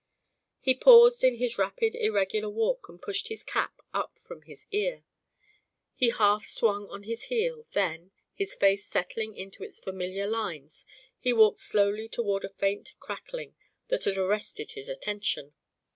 He paused in his rapid irregular walk and pushed his cap up from his ear. He half swung on his heel; then, his face settling into its familiar lines, he walked slowly toward a faint crackling that had arrested his attention.